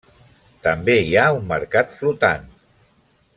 També hi ha un mercat flotant.